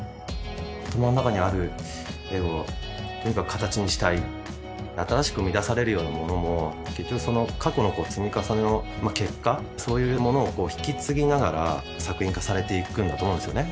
頭の中にある絵をとにかく形にしたい新しく生み出されるようなものも結局過去の積み重ねの結果そういうものを引き継ぎながら作品化されていくんだと思うんですよね